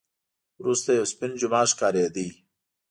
وروسته یو سپین جومات ښکارېده.